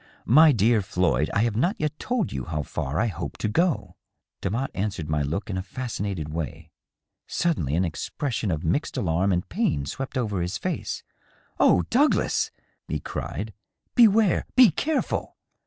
"My dear Floyd, I have not yet told you how far I hope to go." Demotte answered my look in a fascinated way. Suddenly an ex Eression of mixed alarm and pain swept over his face. " Oh, Douglas I" e cried ;" beware ! be careful